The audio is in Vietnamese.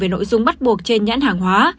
về nội dung bắt buộc trên nhãn hàng hóa